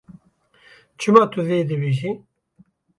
Çima tu vê dibêjî?